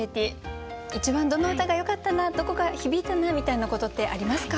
一番どの歌がよかったなどこが響いたなみたいなことってありますか？